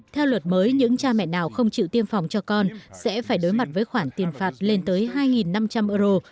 theo luật mới những cha mẹ nào không chịu tiêm phòng cho con sẽ phải đối mặt với khoản tiền phạt lên tới hai năm trăm linh euro